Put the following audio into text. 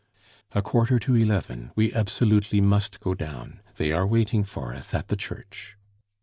"A quarter to eleven! We absolutely must go down. They are waiting for us at the church."